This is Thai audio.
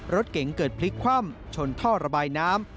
รถเก๋งเกิดพลิกคว่ำชนท่อระบายน้ำ